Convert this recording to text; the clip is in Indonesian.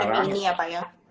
ini ya pak ya